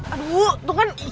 aduh tuh kan